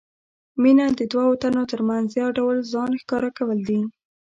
مینه د دوو تنو ترمنځ یو ډول ځان ښکاره کول دي.